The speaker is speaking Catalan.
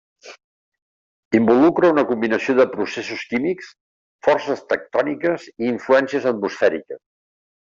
Involucra una combinació de processos químics, forces tectòniques i influències atmosfèriques.